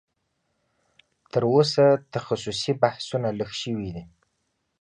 تر اوسه تخصصي بحثونه لږ شوي دي